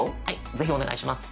ぜひお願いします。